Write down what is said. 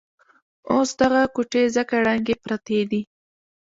اوس دغه کوټې ځکه ړنګې پرتې دي.